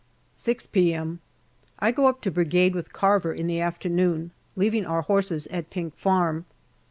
6 p.m. I go up to Brigade with Carver in the afternoon, leaving our horses at Pink Farm.